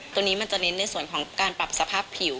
ตัวนี้มันจะเน้นในส่วนของการปรับสภาพผิว